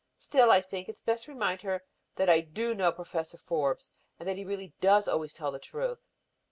Still I think it best to remind her that I do know Professor Forbes and that he really does always tell the truth.